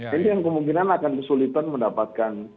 jadi yang kemungkinan akan kesulitan mendapatkan